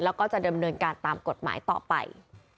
แล้วก็จะดำเนินการตามกฎหมายต่อไป